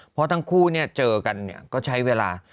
เพราะทั้งคู่เนี่ยเจอกันเนี่ยก็ใช้เวลา